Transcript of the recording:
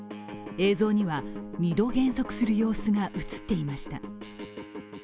映像には２度、減速する様子が映っていました。